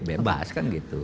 bebas kan gitu